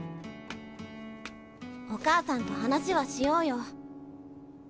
お母さんと話はしようよ。